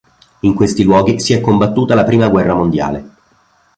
In questi luoghi si è combattuta la Prima Guerra Mondiale.